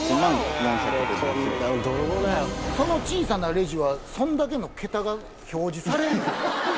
その小さなレジはそんだけのケタが表示されるの？